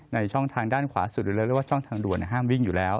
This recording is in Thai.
ในช่องทางด้านขวาสุดหรือเราเรียกว่าช่องทางด่วนห้ามวิ่งอยู่แล้ว